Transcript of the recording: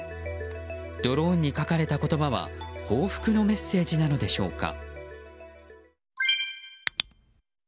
ドローンに書かれた言葉は報復のメッセージなのでしょうか。